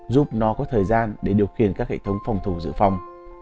giúp nó có thời gian để điều khiển các hệ thống phòng thủ dự phòng